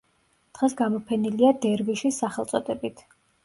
დღეს გამოფენილია „დერვიშის“ სახელწოდებით.